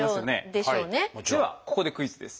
ではここでクイズです。